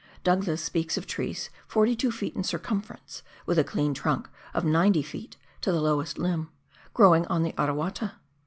Douglas speaks of trees 42 ft. in circumference, with a clean trunk of 90 feet to the lowest limb, growing on the Arawata.